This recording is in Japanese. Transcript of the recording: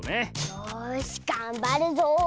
よしがんばるぞ！